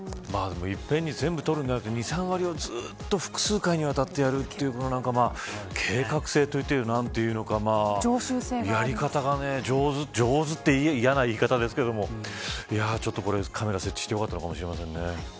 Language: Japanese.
いっぺんに全部を取るんじゃなくて２、３割を複数回にわたってやるというは計画性と言っていいかやり方が上手上手って嫌な言い方ですけどカメラを設置して良かったのかもしれませんね。